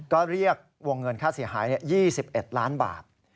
ก็เรียกวงเงินค่าเสียหาย๒๑ล้านบาท